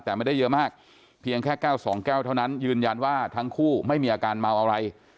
แต่ไม่ได้เยอะมากเพียงแค่แก้วสองแก้วเท่านั้นยืนยันว่าทั้งคู่ไม่มีอาการเมาอะไร